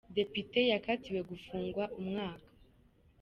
Depite yakatiwe gufungwa umwaka